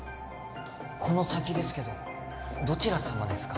この先ですけどどちら様ですか？